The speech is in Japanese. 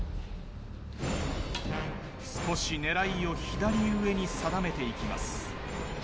少し狙いを左上に定めて行きます。